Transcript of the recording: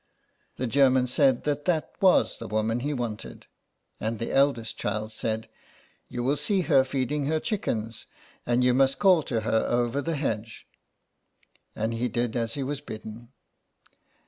" The German said that that was the woman he wanted, and the eldest child said :— "You will see her feeding her chickens, and you must call to her over the hedge. '^ And he did as he was bidden.